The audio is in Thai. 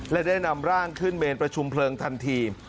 และได้นำร่างขึ้นเมนประชุมเพลิงทันที